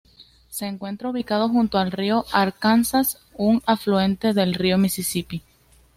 Se encuentra ubicada junto al río Arkansas, un afluente del río Misisipi.